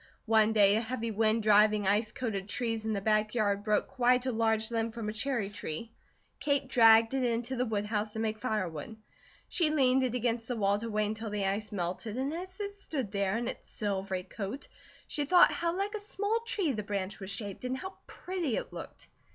One day a heavy wind driving ice coated trees in the back yard broke quite a large limb from a cherry tree. Kate dragged it into the woodhouse to make firewood. She leaned it against the wall to wait until the ice melted, and as it stood there in its silvery coat, she thought how like a small tree the branch was shaped, and how pretty it looked.